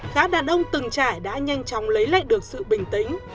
các đàn ông từng trải đã nhanh chóng lấy lại được sự bình tĩnh